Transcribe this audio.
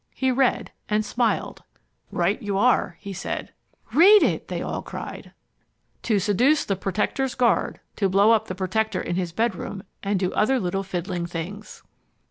He read, and smiled. "Right you are," he said. "Read it!" they all cried. "To seduce the Protector's guard, to blow up the Protector in his bedroom, and do other little fiddling things."